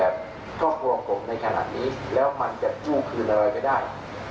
ก็กลัวผมในขณะนี้แล้วมันจะกู้คืนอะไรได้